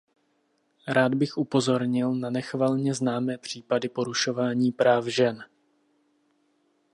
Rád bych upozornil na nechvalně známé případy porušování práv žen.